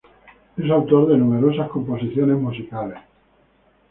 Es autor de numerosas composiciones musicales.